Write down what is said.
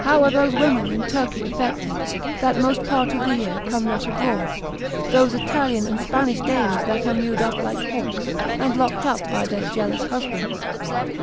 How are those women in Turkey affected, that most part of the year come not abroad; those Italian and Spanish dames, that are mewed up like hawks, and locked up by their jealous husbands?